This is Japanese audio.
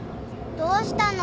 どうしたの？